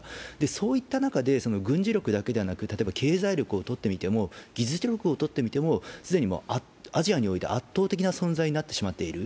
そういった中で軍事力だけでなく例えば経済力をとってみても技術力をとってみても既にアジアにおいて圧倒的な存在になってしまっている。